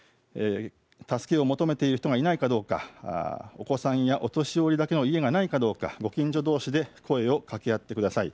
助けを求めている人がいないかどうか、お子さんやお年寄りだけの家がないかどうかご近所どうしで声をかけ合ってください。